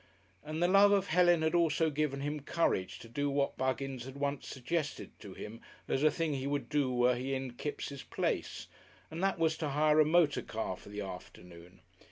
And the love of Helen had also given him courage to do what Buggins had once suggested to him as a thing he would do were he in Kipps' place, and that was to hire a motor car for the afternoon.